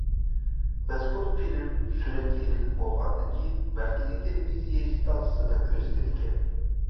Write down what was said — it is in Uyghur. مەزكۇر فىلىم سۈرەتكە ئېلىنىپ بولغاندىن كېيىن، مەركىزىي تېلېۋىزىيە ئىستانسىسىدا كۆرسىتىدىكەن.